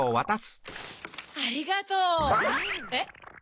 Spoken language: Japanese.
ありがとう！えっ？